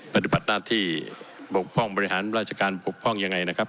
ปฏิบัติหน้าที่บกพร่องบริหารราชการปกป้องยังไงนะครับ